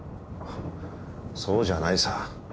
そうじゃないさ。